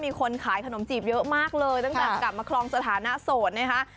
มีคนขายขนมจีบเยอะมากเลยตั้งแต่กลับมาครองสถานะโสดนะคะ